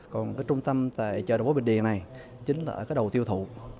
còn trung tâm tại chợ đồng bố bình điền này chính là ở đầu tiêu thụ